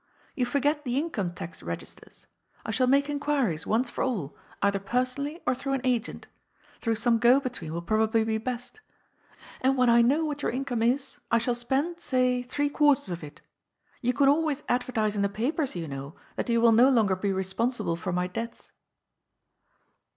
You forget the Income Tax Begisters. I shall make inqairies, once for all, either personally, or through an agent. Through some go between will probably be best. And when I know what your income is, I shall spend, say, three quarters of it. You can always advertise in the papers, you know, that you will no longer be responsible for my debts."